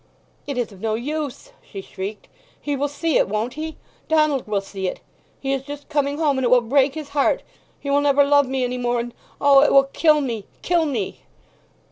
"It is of no use!" she shrieked. "He will see it, won't he? Donald will see it! He is just coming home—and it will break his heart—he will never love me any more—and O, it will kill me—kill me!"